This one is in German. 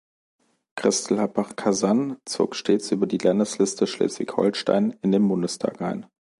Christel Happach-Kasan zog stets über die Landesliste Schleswig-Holstein in den Bundestag ein.